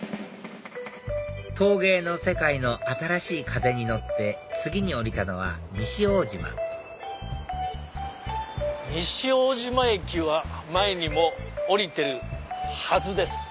陶芸の世界の新しい風に乗って次に降りたのは西大島西大島駅は前にも降りてるはずです。